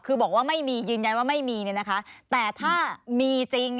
คือบอกว่าไม่มียืนยันว่าไม่มีแต่ถ้ามีจริง